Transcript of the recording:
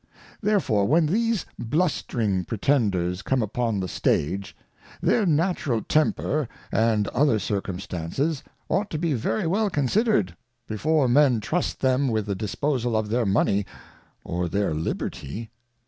Therefore when these blustring Pretenders come upon the Stage, their natural Temper and other Circumstances ought to be very well consider' d, before Men trust them with the disposal of their Money, or their Liberty.